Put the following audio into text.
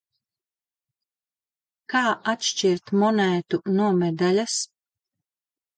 Kā atšķirt monētu no medaļas?